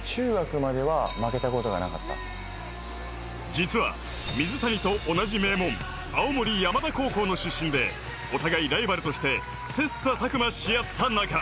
実は、水谷と同じ名門・青森山田高校の出身でお互いライバルとして切磋琢磨しあった仲。